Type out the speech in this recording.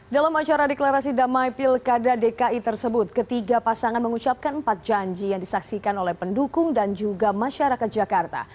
dalam acara deklarasi damai pilkada dki tersebut ketiga pasangan mengucapkan empat janji yang disaksikan oleh pendukung dan juga masyarakat jakarta